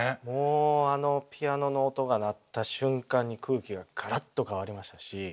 もうあのピアノの音が鳴った瞬間に空気がガラッと変わりましたし。